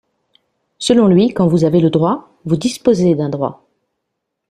Selon lui, quand vous avez le droit, vous disposez d'un droit.